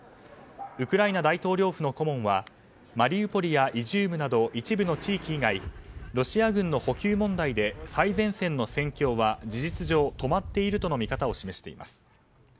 ウクライナ大統領府の顧問はマリウポリやイジュームなど一部の地域以外ロシア軍の補給問題で最前線の戦況は事実上、止まっているとの見方を示しています。